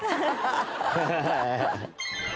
ハハハハ。